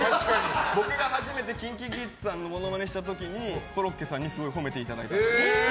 僕が初めてＫｉｎＫｉＫｉｄｓさんのモノマネした時にコロッケさんに褒めていただいた。